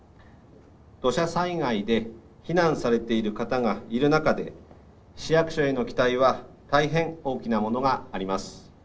土砂災害で避難されている方がいる中で市役所への期待は大変、大きなものがあります。